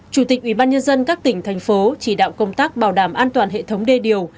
chủ tịch ủy ban nhân dân các tỉnh thành phố chỉ đạo công tác bảo đảm an toàn hệ thống đê điều